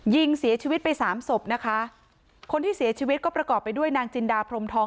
ยิงเสียชีวิตไปสามศพนะคะคนที่เสียชีวิตก็ประกอบไปด้วยนางจินดาพรมทอง